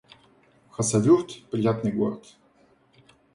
Хасавюрт — приятный город